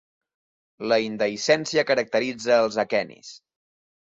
La indehiscència caracteritza els aquenis.